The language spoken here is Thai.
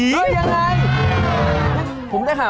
เฮ้ยยยังไง